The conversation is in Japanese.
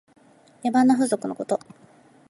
野蛮な風俗のこと。